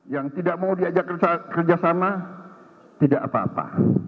yang tidak mau diajak kerjasama tidak apa apa